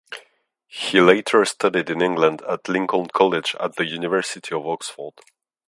He later studied in England at Lincoln College at the University of Oxford.